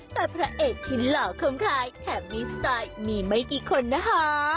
แต่พระเอกที่หล่อคงคายแถมมีสไตล์มีไม่กี่คนนะคะ